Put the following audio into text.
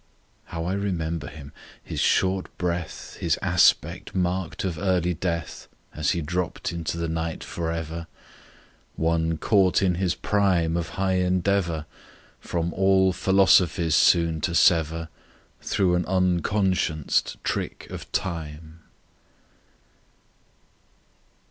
How I remember him!—his short breath, His aspect, marked for early death, As he dropped into the night for ever; One caught in his prime Of high endeavour; From all philosophies soon to sever Through an unconscienced trick of Time!